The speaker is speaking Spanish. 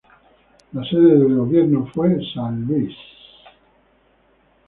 La sede del gobierno fue San Luis.